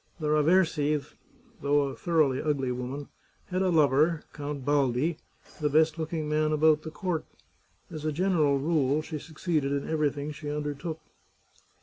The Raversi, though a thoroughly ugly woman, had a lover. Count Baldi, the best looking man about the court. As a general rule she succeeded in everything she under took.